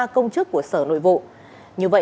ba công chức của sở nội vụ